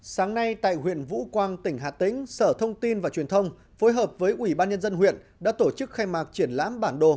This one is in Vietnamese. sáng nay tại huyện vũ quang tỉnh hà tĩnh sở thông tin và truyền thông phối hợp với ubnd huyện đã tổ chức khai mạc triển lãm bản đồ